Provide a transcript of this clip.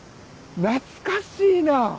懐かしいな！